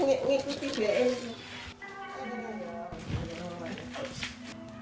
nggak ini ikuti bn